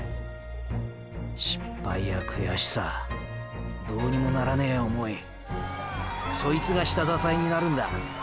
失敗や悔しさどうにもならねェ想いそいつが下支えになるんだ。